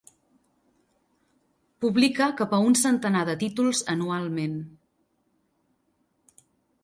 Publica cap a un centenar de títols anualment.